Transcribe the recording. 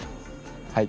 はい。